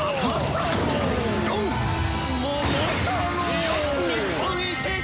日本一！」